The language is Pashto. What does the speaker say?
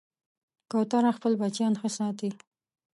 کوتره خپل بچیان ښه ساتي.